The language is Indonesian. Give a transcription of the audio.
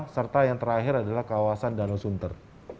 serta yang terakhir adalah kawasan danau sunter